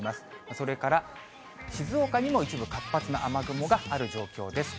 それから静岡にも一部、活発な雨雲がある状況です。